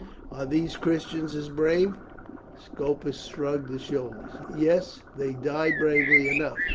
Are these Christians as brave?" Scopus shrugged his shoulders. "Yes, they die bravely enough.